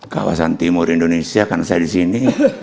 kawasan timur indonesia karena saya di sini